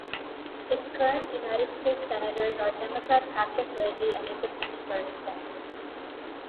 Its current United States Senators are Democrat Patrick Leahy and Independent Bernie Sanders.